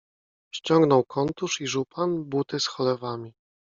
ściągnął kontusz i żupan, buty z cholewami